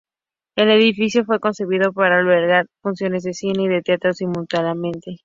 El edificio fue concebido para albergar funciones de cine y de teatro simultáneamente.